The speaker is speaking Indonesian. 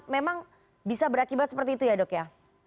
memang bisa berakibat seperti itu ya dok ya